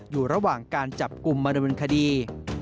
อยู่ระหว่างการจับกลุ่มมาดำเนินคดี